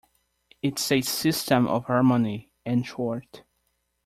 It's a system of harmony, in short.